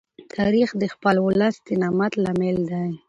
تاریخ د خپل ولس د نامت لامل دی.